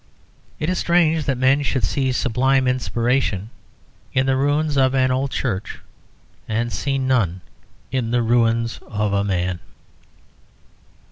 It is strange that men should see sublime inspiration in the ruins of an old church and see none in the ruins of a man.